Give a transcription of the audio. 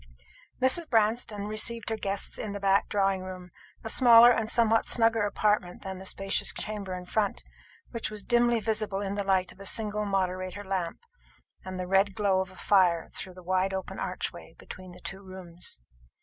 Mrs. Branston received her guests in the back drawing room, a smaller and somewhat snugger apartment than the spacious chamber in front, which was dimly visible in the light of a single moderator lamp and the red glow of a fire through the wide open archway between the two rooms.